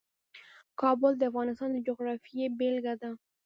کابل د افغانستان د جغرافیې بېلګه ده.